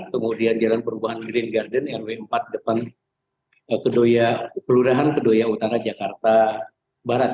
kemudian jalan perubahan green garden rw empat depan kelurahan kedoya utara jakarta barat